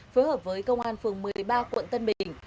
phối hợp với công an phường một mươi ba quận tân bình